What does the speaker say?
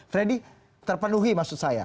freddy terpenuhi maksud saya